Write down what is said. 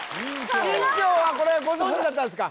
院長はこれご存じだったんですか？